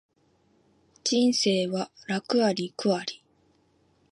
人生は楽あり苦あり